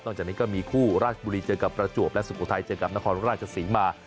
จากนี้ก็มีคู่ราชบุรีเจอกับประจวบและสุโขทัยเจอกับนครราชศรีมา